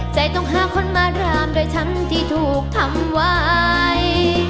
ใจต้องหาคนมารามด้วยฉันที่ถูกทำไว้